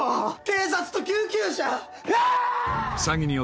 警察と救急車！